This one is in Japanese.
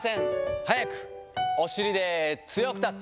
速く、お尻で強く立つ。